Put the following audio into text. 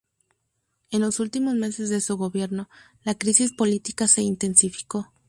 En los últimos meses de su gobierno, la crisis política se intensificó.